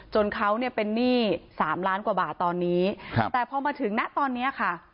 จนเขาเป็นหนี้๓ล้านกว่าบาทตอนนี้แต่พอมาถึงหน้าตอนนี้ค่ะ